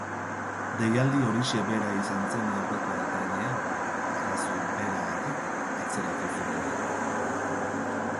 Deialdi horixe bera izan zen aurreko ekainean, arrazoi beragatik, atzeratu zutena.